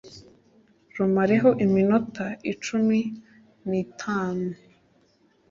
rumareho iminota cumi nitanu